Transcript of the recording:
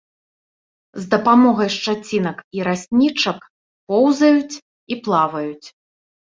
З дапамогай шчацінак і раснічак поўзаюць і плаваюць.